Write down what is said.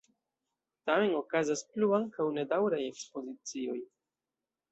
Tamen okazas plu ankaŭ nedaŭraj ekspozicioj.